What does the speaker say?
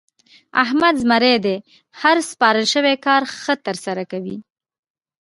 احمد زمری دی؛ هر سپارل شوی کار ښه ترسره کوي.